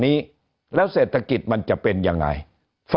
หนี้ครัวเรือนก็คือชาวบ้านเราเป็นหนี้มากกว่าทุกยุคที่ผ่านมาครับ